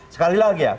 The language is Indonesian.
sekali lagi ya